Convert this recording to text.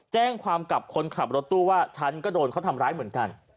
แจ้งความกับคนขับรถตู้ว่าฉันก็โดนเขาทำร้ายเหมือนกัน